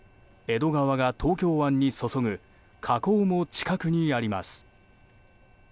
江戸川が東京湾に注ぐ河口も近くにあります。